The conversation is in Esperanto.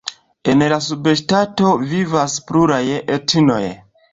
En la subŝtato vivas pluraj etnoj.